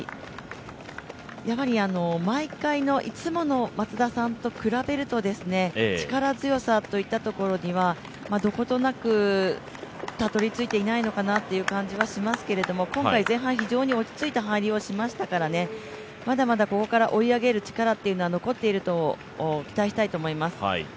やはり毎回、いつもの松田さんと比べると力強さといったところには、どことなくたどり着いていないのかなっていう感じはしますけれども、今回、前半非常に落ち着いた入りをしましたからまだまだここから追い上げる力は残っていると期待したいと思います。